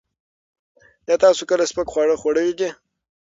ایا تاسو کله سپک خواړه خوړلي دي؟